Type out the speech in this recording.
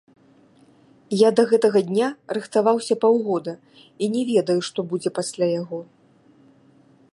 Я да гэтага дня рыхтаваўся паўгода, і не ведаю, што будзе пасля яго.